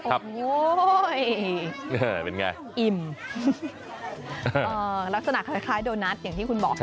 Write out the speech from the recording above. ครับเป็นอย่างไรอิ่มรักษณะคล้ายโดนัสอย่างที่คุณบอก